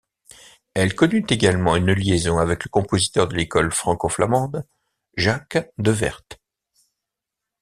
Elle connut également une liaison avec le compositeur de l'école franco-flamande Jacques de Wert.